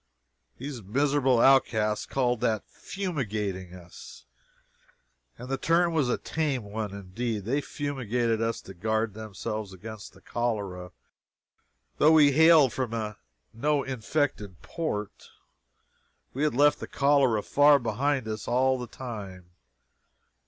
These miserable outcasts called that "fumigating" us, and the term was a tame one indeed. They fumigated us to guard themselves against the cholera, though we hailed from no infected port. We had left the cholera far behind us all the time.